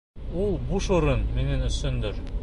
Ул буш урын минең өсөндөр!